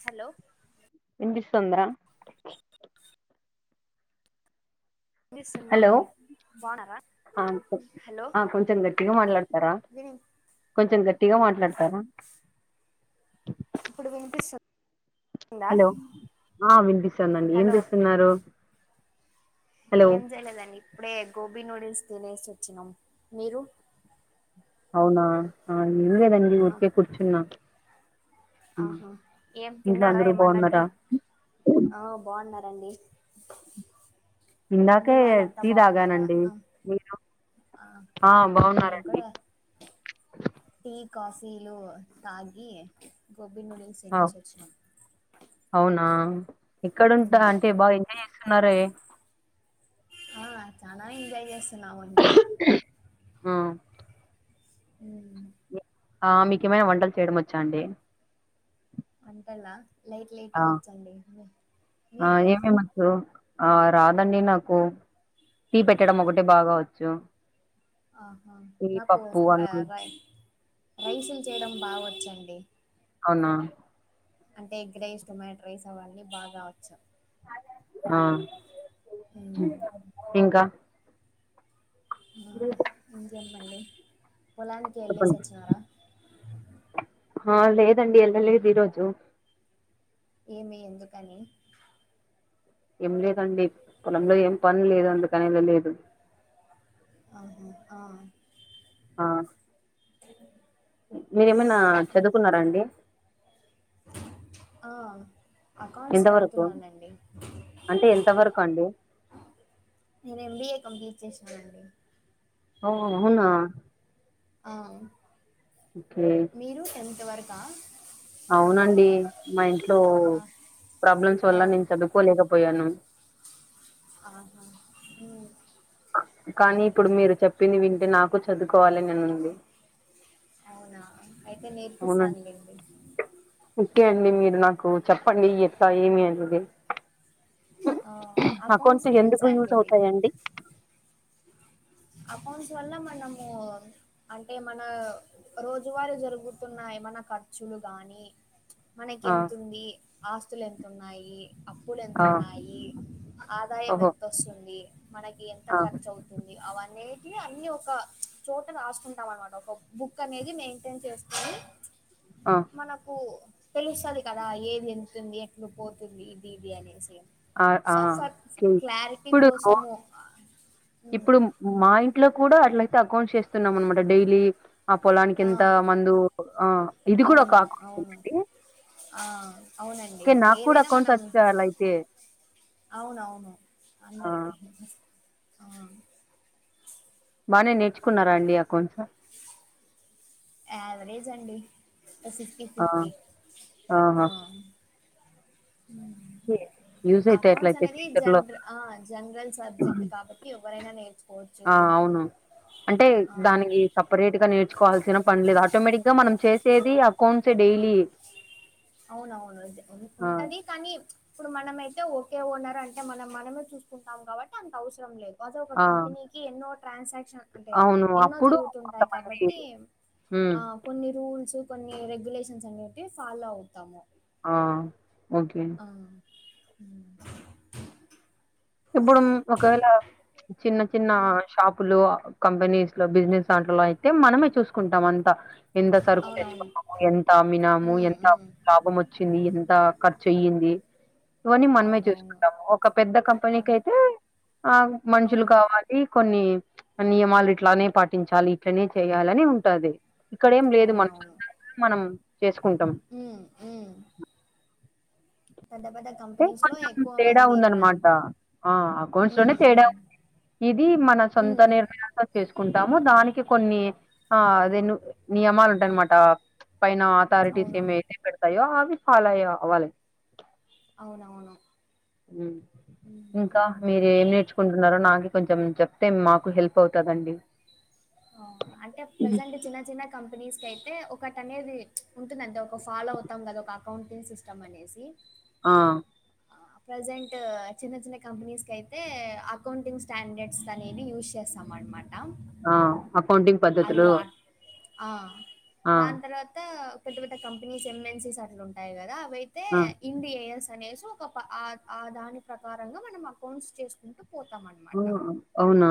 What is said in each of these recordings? Hello వినిపిస్తుంద పిస్తుందండి బావున్నర ఆన్ అ కొంచెం గట్టిగా మాట్లాడుతారా విని కొంచెం గట్టిగా మాట్లాడుతారా ఇప్పుడు వినిపిస్ హలో ఆ వినిపిస్తానండి ఏం హలో చేస్తున్నారు హలో ఏం జెయలేదండి ఇప్పుడే గోబీ నూడిల్స్ తినేసి వచ్చినాం మీరు అవునా అ ఎం లేదండి ఆ, ఊరికే కుర్చున్నా ఆహా ఏం తిన్నారా అందరూ ఏమన్నాటి బాగున్నారా అ బాగున్నారండి మీ ఇందాకే వాళ్ళు అంతా టీ బాగున్నారా తాగానండి మీరు ఆ ఎం కూర టీ కాఫీలు తాగి గోబీ నూడిల్స్ ఆ తినేసి వచ్చినాం అవునా ఏక్కడుంటర్ ఉమ్. అంటే బాగా ఎంజాయ్ చేస్తున్నారే ఆ చాల ఎంజాయ్ చేస్తున్నామండి ఆ మ్ ఆ మీకేమైనా వంటలు చేయడం వచ్చా అండి అంతే నా లైట్ లైట్ ఆ గా వచ్చండి, మీకు? మంచి వో ఆ రాదండి, నాకు టీ పెట్టడం ఒకటి బాగావచ్చు. ఆహా నాకు రై రైసులు చేయడం బాగ వచ్చండి. అవునా అంటే ఎగ్గరే ఇష్టమైన ట్రైస్ అవ్వి బాగా కావచ్చు ఆ హ్మ్. ఇంకా హా ఇంకండి పొలానికి వెళ్ళేసి వచ్చినారా. హా లేదండి ఎల్ల లేదు ఇరోజు ఏమి ఎందుకని ఏం లేదండి పొలంలో ఏం పని లేదు అందుకనే వేలలేదు అవును ఆ ఆ మీరేమైనా చదువుకున్నారాండి ఆ అకౌంట్స్ ఎంత వరకు చదువుతున్నానుండి. అంటే ఎంత వరకు అండి నేను ఎంబీఏ కంప్లీట్ చేశానండి. ఆహా అవునా ఆ మ్ మీరు టెన్ంత వరకా అవునండి, మా ఇంట్లో ఆ! ప్రాబ్లమ్స్ ఆ! వల్ల నేను చదువుకోలేకపోయాను. ఆహా హమ్ ఇప్పుడు మీరు చెప్పింది వింటే నాకు చదువుకోవాలి నేను అవునా అయితే అవునండి నేర్పిస్తానులేండి ఓకే అండి మీరు నాకు చెప్పండి ఈ ఎత్త ఏమి అనేది ఆహ్, అకౌంట్స్ ఎందుకు తెలుసా యూజ్ అండి మీకు? అవుతాయిండి అమౌంట్ వల్మ్మా నము అంటే మన రోజువారు జరుగుతున్న ఏమనా ఖర్చులు గాని మనకి ఆ ఎతు ఉంది ఆస్తులు ఎంతన్నాయి అప్పులు ఎంత ఆ ఉన్నాయి ఆదాయం ఓహో ఎంతొస్తుంది మనకి ఎంత ఆ ఖర్చు అవుతు అ అనేటి అన్ని ఒక చోట రాసుకుంటాం అనమాట ఒక బుక్ అనేది మెయింటైన్ చేసుకొని ఆ మనకు తెలుసది కదా ఏది ఎతుంది ఎట్లు పోతుంది ఇది ఇది అనేసి ఆ ఆ సో ఫ ఓకే క్లారిటీ ఇప్పుడు కోసము ఇప్పుడు మా ఇంట్లో కూడా అట్లయితే అకౌంట్స్ చేస్తున్నాం అనమాట డైలీ ఆ పొలానికి ఆ ఎంత మందు ఆ ఇది కూడా అవును అవును కాకూడండి అవునండి నాకు కూడా ఏదైనా అకౌంట్స్ మనం వచ్చ అలా అయితే అవును అవును ఆ అన్నరికి బాగానే నేర్చుకున్నారా అడి అక్కౌంట్స్ యావరేజ్ అండి ఫిఫ్టీ ఆ ఫిఫ్టీ ఆ ఆహా మ్ యూజ్ అయితాయి అకౌంట్స్ అట్లయితే అనేది ఫ్యూచర్ లో జనర్ ఆ జనరల్ సబ్జెక్ట్ కాబ ట్టి ఎవ్వరైనా నేర్చు ఆ అవును అంటే ఆ దానికి సపరేట్ గా నేర్చుకోవాల్సిన పని లేదు ఆటోమేటిక్ గా మనం చేసేది అకౌంట్స్ డైలీ అవునవును అదే ఉ ఆ ఉంటది కానీ ఇప్పుడు మనమయితే ఓకే ఓనర్ అంటే మనం మనమే చూసుకుంటాం కాబట్టి అంత అవసరం లేదు వాస్ ఒక ఆ కంపెనీకి ఎన్నో ట్రాన్సాక్షన్ అంటే అవును ఎన్నో జరుగుతుంటాయి కాబట్టి మ్ ఆ! కొన్ని రూల్స్ కొన్ని రెగ్యులేషన్స్ అనేటివి ఫాలో అవుతాము ఆ ఓకే ఆ ఇప్పుడు ఒకవేళ చిన్న చిన్న షాపులు కంపెనీస్ లో బిజినెస్ దాంట్లలో అయితే మనమే చూసుకుంటాం అంతా ఎంత సరుకు అవునవును. తెచ్చుకున్నాము ఎంత అమ్మినాము హ్మ్. ఎంత హ్మ్. లాభం వచ్ వచ్చింది ఎంత ఖర్చు అయింది ఇవన్నీ మనమే అవునవును. చూసుకుంటాము ఒక పెద్ద కంపెనీ అవును. ఆ మనుషులు అవును. కావాలి ఈ కొన్ని నియమాలు ఇట్లనే పాటించాలి ఇట్లనే చేయాలని ఉంటది ఇక్కడేం లేదు మనకి మనం చేసుకుంటం ఉ ఉ గంత బద్ధ కొంచెం తేడా ఉందన్నమాట ఆ అకౌంట్స్ లోనే హ్మ్. తేడా హ్మ్. ఉంది ఇది మన సొంత హ్మ్. నిర్ణయాలు చేసుకుంటాము దానికి కొన్ని ఆ అదే ను నియమాలు ఉంటాయన్నమాట పైన అథారిటీస్ అవునవును. ఏమయితే పెడతాయో అవి ఫాలో అయ అవ్వాలి అవునవును ఇంకా మీరు ఏం నేర్చు కుంటున్నారో నాకు కొంచెం చెప్తే మాకు హెల్ప్ అవుతాదండి అంటే ప్రజెంట్ చిన్న చిన్న కంపెనీస్ కయితే ఒకటి అనేది ఉంటుందంటె ఒక ఫాలో అవుతాం కదా ఒక అకౌంటింగ్ సిస్టమ్ అనేసి ఆ ఆ ప్రజెంట్ చిన్న చిన్న కంపెనీస్ కయితే అకౌంటింగ్ స్టాండర్డ్స్ అనేది యూస్ చేస్తాం మన్నమాట ఆ అకౌంటింగ్ అది పద్ధతులు వా ఆ ఆ దాని తర్వాత పెద్ద పెద్ద కంపెనీస్ ఎంఎన్సీస్ అట్లుంటాయి కదా అవైతే ఆ ఇండిఏఎస్ అనేసి ఒక ఆ ఆ దాని ప్రకారంగా మనం అకౌంట్స్ చేసుకుంటూ పోతామ ఆ అవునా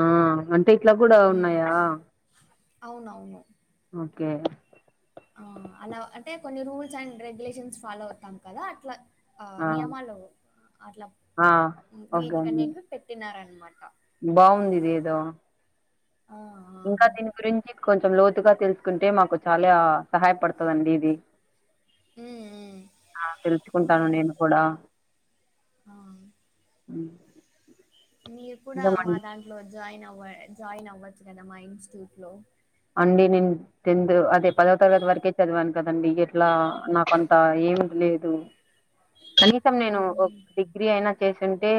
అంటే ఇట్ల కూడా హ్మ్. ఉన్నయా అవునవును ఓకే ఆ అలా అంటే కొన్ని రూల్స్ అండ్ రెగ్యులేషన్స్ ఫాలో అవుతాం కదా అట్లా ఆ నియమాలు అట్లా ఆ ఓకే అండి వీటికనేవి పెట్టినారన్నమాట బాగుంది ఇదేదో ఆ ఆ! ఇంకా దీని గురించి కొంచెం లోతుగా తెలుసుకుంటే మాకు చాలా సహాయపడుతదండి ఇది ఉమ్ ఉమ్ ఆ తెలుసుకుంటాను నేను కూడా అవును ఉ మీరు కూడా మా దాంట్లో జాయిన్ అవ్వ జాయిన్ అవ్వచ్చు కదా మా ఇన్స్టిట్యూట్ లో అండి నేను టెన్త్ అదే పదో తరగతి వరకే చదివాను కదండి ఎట్లా నాకంత ఏం తెలీదు కనీసం నేను హుహు. డిగ్రీ అయినా చేసింటే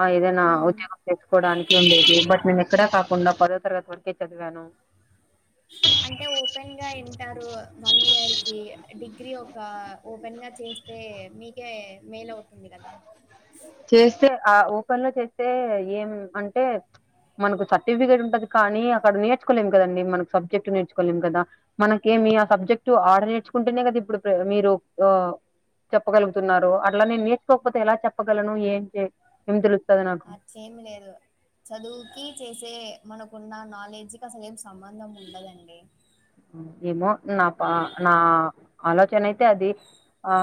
ఆ ఏదైనా హ్మ్. ఉద్యోగం తెచ్చుకోడానికి ఉండేది బట్ నేను ఎక్కడ కాకుండా పదో తరగతి వరకే చదివాను అంటే ఓపెన్ గా ఇంటరు వన్ ఇయర్కి డిగ్రీ ఒక ఓపెన్ గా చేస్ స్తే మీకే మేలవుతుంది కదా చేస్తే ఆ ఓపెన్ లో చేస్తే ఏం అంటే మనకు సర్టిఫికేట్ ఉంటది కానీ అక్కడ నేర్చుకోలేం కదండి మనకు సబ్జెక్ట్ నేర్చుకోలేం కదా మనకేమి ఆ సబ్జెక్ట్ ఆడ నేర్చుకుంటేనే కదా ఇప్పుడు ప్రే మీరు ఓ చెప్పగలుగుతున్నారు అట్లా నేను నేర్చుకోకపోతే ఎలా చెప్పగలను ఏం చే ఏం తెలుస్తది నాకు సేమ్ లేదు చదువుకి చేసే మనకున్న నాలెడ్జ్కిి అసలు ఎం సంబంధం ఉండదండి ఏమో నా పా నా ఆలోచన అయితే అది ఆ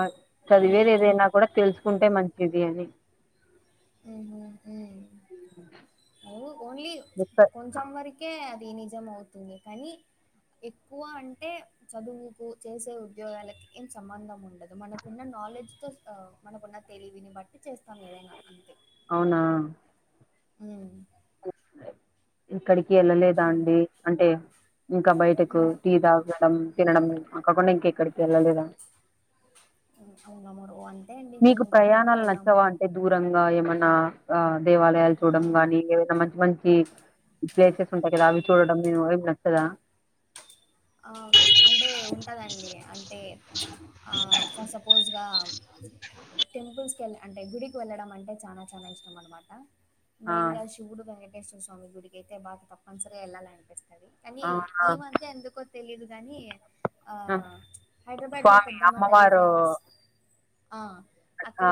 చదివేది ఏదైనా కూడా తెలుసుకుంటే మంచిది అని ఉహు ఉ ఓన్లీ ఎక్క కొ చం వరకే అది నిజం అవుతుంది కానీ ఎక్కువ అంటే చదువుకు చేసే ఉద్యోగాలకి ఏం సంబంధం ఉంద్ మనకున్న నాలెడ్జ్ తో అ మనకున్న తెలివిని బట్టి చేస్తాం ఏదైనా అంతే అవునా ఉమ్ ఎక్కడికి వెళ్ళలేదా అండి అంటే ఇంకా బయటకు టీ తాగడం తినడం అక్కకుండా ఇంకెక్కడికి వెళ్ళలేదా అవునాము ర అంతే అండి మీకు మేము ఇంక ఎక్కడికి ప్రయాణాలు వెళ్ళాము నచ్చవా అంటే దూరంగా ఏమైనా ఆ దేవాలయాలు చూడం ఆ గాని ఏదైనా మంచి మంచి ప్లేసెస్ ఉంటాయి కదా అవి చుడడం మీ వారికి నచ్చదా ఆ అంటే ఉంటుదండి అంటే అవు ఫర్ సపోజ్గా టెంపుల్స్ కెళ్ అంటే గుడికి వెళ్ళడం అంటే చానా చానా ఇష్టం అనమాట ఆ మెయిన్గా శివుడు వెంకటేశ్వర స్వామి గుడికి అయితే బాగా తప్పనిసరిగా వెళ్ళాలనిపిస్తది కనీ అవునా ఈ మధ్య ఎందుకొ లేదు గాని ఆ ప్చ్ హైదరాబాద్ లో స్వామి పెద్దమ్మ తల్లి అమ్మవారు ఫేమస్ ఆ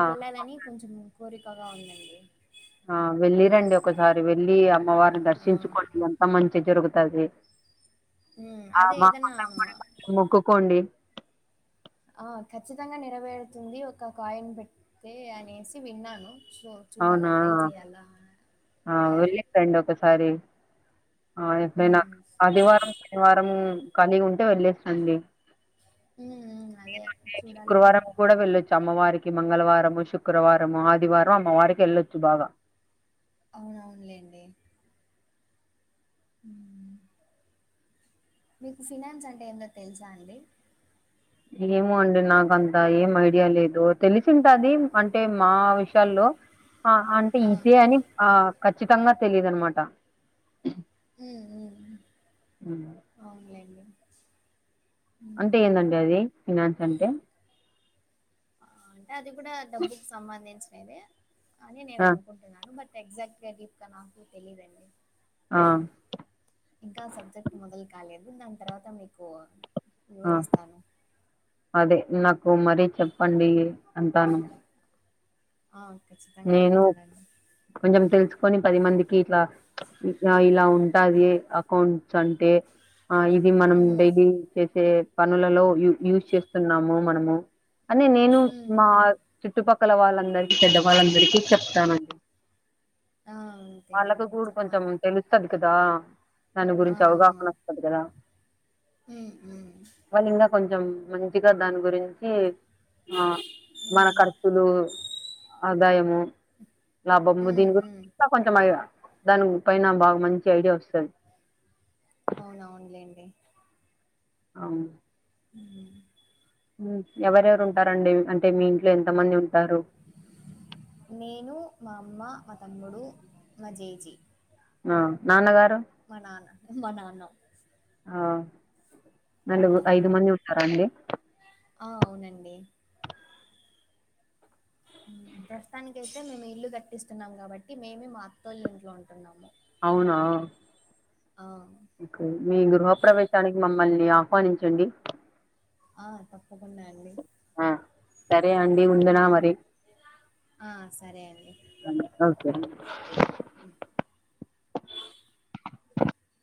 ఆ వెళ్ళాలని కొంచెం కోరికగా ఉందండి ఆ వెళ్ళి రండి ఒకసారి వెళ్ళి అమ్మవారిని ఆ! దర్శించుకోండి అంత మంచి జరుగుతది ఉమ్ అదే ఏదన్నా మోక్కుకోండి ఆ ఖచ్చితంగా నెరవేరుతుంది ఒక కాయిన్ పెటతే అనేసి విన్నాను సో చూడాల అవునా ట్రై చేయ్యాల ఆ వెళ్ళి రండి ఒకసారి అ ఎప్పుడైనా హ్మ్. సరే. ఆదివారం శనివారం ఖాళీ ఉంటే వెళ్లేేసి రండి హ్మ్. హ్మ్. అదే వీలుంటే చూడాలండి. శుక్రవారం కూడా వెళ్ళొచ్చు. చమ్మవారికి మంగళవారము శుక్రవారము ఆదివారం అమ్మవారికి వెళ్ళొచ్చు బాగా అవన్ అవునులేండి. ఉమ్ మీకు ఫినాన్స్ అంటే ఏందో తెలుసా అండి ఏమో అండి నాకంత ఏం ఐడియా లేదు తెలిసింటది అంటే మా విషయాల్లో ఆ అంటే ఆ! ఇదే అని ఆ ఖచ్చితంగా తెలిదు అనమాట ఉ ఉ అవునులేండి అంటే ఏందండి అది ఫినాన్స్ అంటే అంటే అది కూడా డబ్బుకి సంబంధించినదే అని నేను ఆ అనుకుంటు న్నా బట్ ఎగ్జాక్ట్ గా ఇ నాకు తెలీదండి ఆ ఇంకా సబ్జెక్ట్ మొదలు కాలేదు దాని తర్వాత మీకు ఆ వివరిస్తాను అదే నాకు మరీ చెప్పండి అంటాను ఆ ఖచ్చితంగా నేను చెప్తానండి కొంచెం తెలుసుకొని పది మందికి ఇట్లా ఇలా ఉంటది అకౌంట్ అంటే ఆ ఇది మనం హ్మ్. డైలీ చేసే పనులలో యూజ్ చేస్తున్నాము మనము అని నేను హ్మ్. మా హ్మ్. చుట్టుపక్కల వాళ్ళందరికి పెద్దవాళ్ళందరికీ చెప్తానండి ఆ! వాళ్ళకు అంతేనండి కూడా కొంచెం చెప్పాలా. తెలుస్తది కదా దాని ఆ! ఆ! గురించి అవగాహన వస్తది కదా హ్మ్. హ్మ్. వాళ్ళు ఇంకా కొంచెం మంచిగా దాని గురించి ఆ మన ఖర్చులు ఆదాయము లాభము హ్మ్. దీని హ్మ్. గురించి కొంచెం దాని పైన బాగా మంచి ఐడియా వస్తది అవునవును లేండి అవును ఉమ్ ఎవరెవరు ఉంటారండి అంటే మీ ఇంట్లో ఎంతమంది ఉంటారు నేను మా అమ్మ మా తమ్ముడు మా జేజీ ఆ నాన్నగారు మా నాన్న మా నాన్న ఆ నాలుగు ఆ! ఐదు మంది ఉంటారా అండి ఆ అవునండి ప్రస్తుతానికి అయితే మేము ఇల్లు కట్టిస్తున్నాం కాబట్టి మేమే మా అత్తోళ్లు ఇంట్లో ఉంటున్నాము అవునా ఆ మీ గృహ ప్రవేశానికి మమ్మల్ని ఆహ్వానించండి ఆ తప్పకుండా అండి ఆ సరే అండి ఉండనా మరి ఆ సరే అండి ఓకే అండి